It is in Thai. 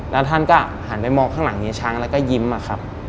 แล้วท่านก็หันไปมองข้างหลังเฮียช้างแล้วก็ยิ้มอะครับ